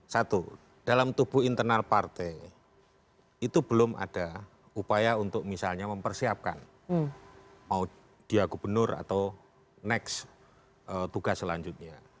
satu dalam tubuh internal partai itu belum ada upaya untuk misalnya mempersiapkan mau dia gubernur atau next tugas selanjutnya